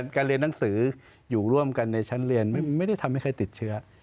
การเรียนหนังสืออยู่ร่วมกันในชั้นเรียนไม่ได้ทำให้ใครติดเชื้อ